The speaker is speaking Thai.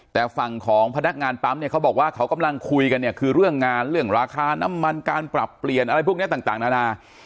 แต่ฝั่งของพนักงานปั๊มเนี่ยเขาบอกว่าเขากำลังคุยกันเนี่ยคือเรื่องงานเรื่องราคาน้ำมันการปรับเปลี่ยนอะไรพวกนี้ต่างนานา